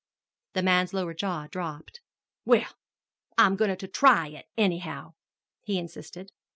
The man's lower jaw dropped. "Well, I'm a goin' to try it, anyhow," he insisted.